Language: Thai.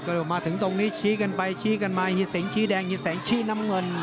ก็มาถึงตรงนี้ชี้กันไปชี้กันมาฮีเสงชี้แดงฮีแสงชี้น้ำเงิน